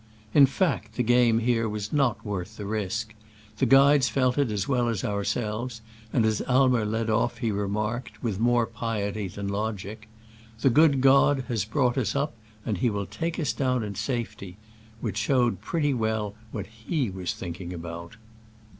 In fact, the game here was not worth the risk. The guides felt it as well as ourselves, and as Aimer led off he remarked, with more piety than logic, "The good God has brought us up, and he will take us down in safety ;" which showed pretty well what he was thinking about.